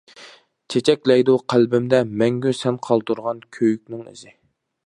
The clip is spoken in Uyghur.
چېچەكلەيدۇ قەلبىمدە مەڭگۈ سەن قالدۇرغان كۆيۈكنىڭ ئىزى.